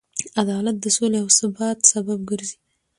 عدالت د سولې او ثبات سبب ګرځي.